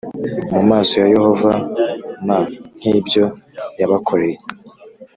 mu maso ya Yehova m nk ibyo yabakoreye